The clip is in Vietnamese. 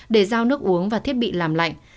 để giao nước uống và thiết bị làm lạnh